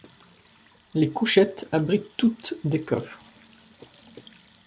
Les couchettes abritent toutes des coffres.